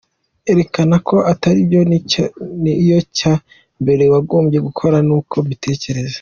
Erekana ko atari byo ni yo cya mbere wagombye gukora ni ko mbitekereza.